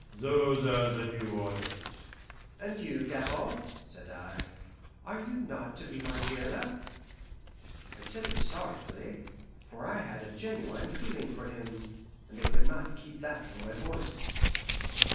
Those are the new orders." "And you, Gabord," said I, "are you not to be my jailer?" I said it sorrowfully, for I had a genuine feeling for him, and I could not keep that from my voice.